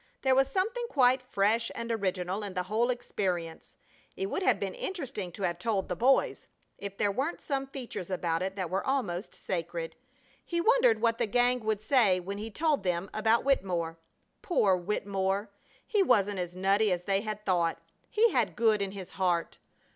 There was something quite fresh and original in the whole experience. It would have been interesting to have told the boys, if there weren't some features about it that were almost sacred. He wondered what the gang would say when he told them about Wittemore! Poor Wittemore! He wasn't as nutty as they had thought! He had good in his heart!